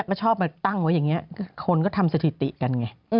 ก็ชอบมาตั้งไว้อย่างนี้คนก็ทำสถิติกันไง